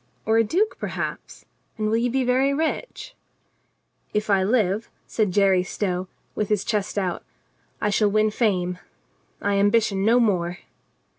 Or a duke, perhaps ? And will you be very rich ?" "If I live," said Jerry Stow, with his chest out, "I shall win fame. I ambition no more."